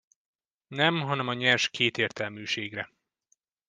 Nem, hanem a nyers kétértelműségre.